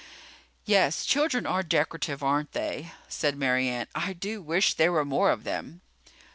"Yes, children are decorative, aren't they," said Mary Ann. "I do wish there were more of them."